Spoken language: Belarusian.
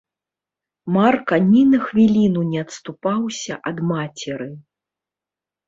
Марка ні на хвілінку не адступаўся ад мацеры.